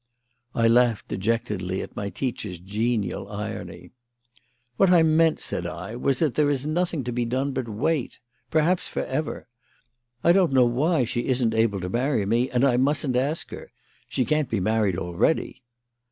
I laughed dejectedly at my teacher's genial irony. "What I meant," said I, "was that there is nothing to be done but wait perhaps for ever. I don't know why she isn't able to marry me, and I mustn't ask her. She can't be married already."